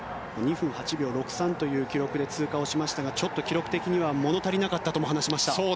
２分８秒６３という記録で通過しましたがちょっと記録的には物足りなかったとも話しました。